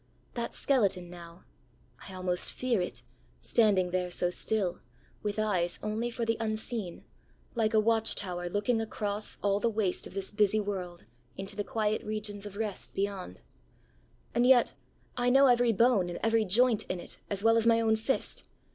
That skeleton, nowãI almost fear it, standing there so still, with eyes only for the unseen, like a watch tower looking across all the waste of this busy world into the quiet regions of rest beyond. And yet I know every bone and every joint in it as well as my own fist.